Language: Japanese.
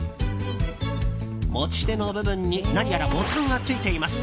持ち手の部分に何やらボタンがついています。